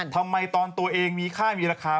ทำไมตอนตัวเองมีค่ามีราคา